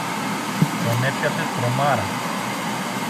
Τον έπιασε τρομάρα.